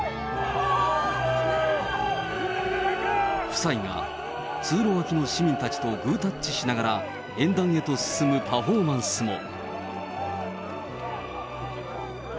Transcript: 夫妻が通路脇の市民たちとグータッチしながら、演壇へと進むパフォーマンスも。